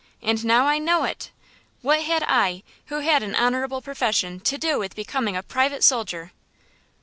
And now I know it! What had I, who had an honorable profession, to do with becoming a private soldier?"